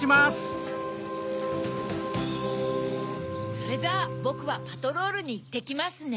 それじゃあぼくはパトロールにいってきますね。